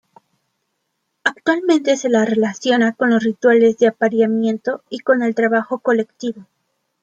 Actualmente se la relaciona con los rituales de apareamiento y con el trabajo colectivo.